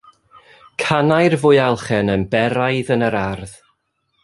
Canai'r fwyalchen yn beraidd yn yr ardd.